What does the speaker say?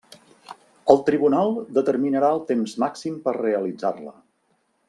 El tribunal determinarà el temps màxim per realitzar-la.